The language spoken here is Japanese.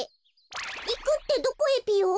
いくってどこへぴよ？